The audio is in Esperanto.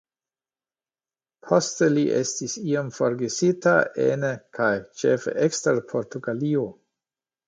Poste li estis iom forgesita ene kaj ĉefe ekster Portugalio.